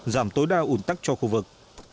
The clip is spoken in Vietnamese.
giảm tối đa ùn tắc cho khu vực